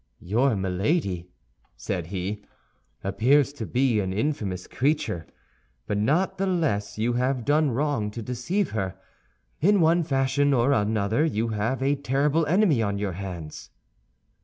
"Your Milady," said he, "appears to be an infamous creature, but not the less you have done wrong to deceive her. In one fashion or another you have a terrible enemy on your hands."